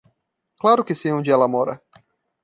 Claro que sei onde ela mora.